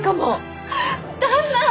旦那！